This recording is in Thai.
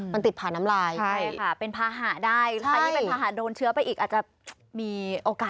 มันติดผ่านน้ำลายใช่ค่ะเป็นภาหะได้ใครที่เป็นภาหะโดนเชื้อไปอีกอาจจะมีโอกาส